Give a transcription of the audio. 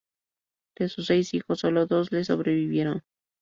De sus seis hijos, solo dos le sobrevivieron.